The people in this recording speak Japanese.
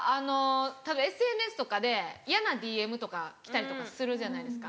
ＳＮＳとかで嫌なＤＭとか来たりとかするじゃないですか。